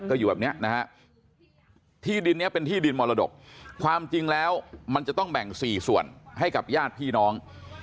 ก็อยู่แบบเนี้ยนะฮะที่ดินนี้เป็นที่ดินมรดกความจริงแล้วมันจะต้องแบ่ง๔ส่วนให้กับญาติพี่น้อง